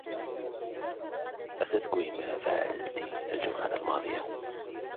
أتذكري ما فعلتِ الجمعة الماضية؟